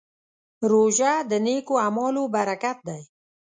روژه د نېکو اعمالو برکت دی.